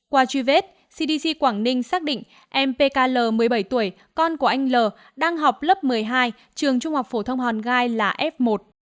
qua truy vết cdc quảng ninh xác định em pkl một mươi bảy tuổi con của anh l đang học lớp một mươi hai trường trung học phổ thông hòn gai là f một